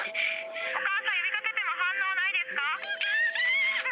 お母さん呼びかけても反応なお母さーん。